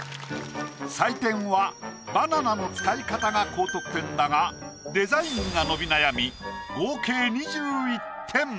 採点はバナナの使い方が高得点だがデザインが伸び悩み合計２１点。